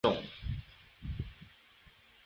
台湾厚距花为野牡丹科厚距花属下的一个种。